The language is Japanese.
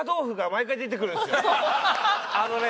あのね